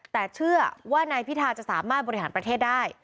แต่เชื่อว่านายพิธาจะสามารถบริหารประเทศได้